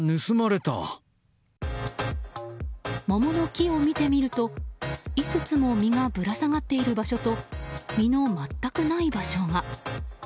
桃の木を見てみるといくつも実がぶら下がっている場所と実の全くない場所が。